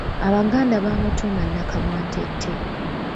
Abaganda bamutuuma nnakamwantette.